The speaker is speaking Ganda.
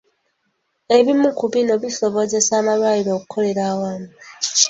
Ebimu ku bino bisobozesa amalwaliro okukolera awamu.